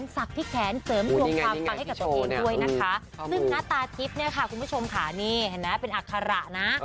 ซึ่งหน้าตาทิพย์คุณผู้ชมค่ะนี่เป็นอักขระนะ